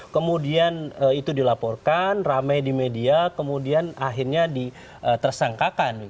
kemudian itu dilaporkan ramai di media kemudian akhirnya ditersangkakan